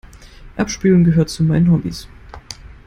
Abspülen gehört zu meinen Hobbies.